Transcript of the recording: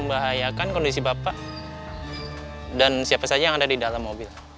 iya kan jujur aja lo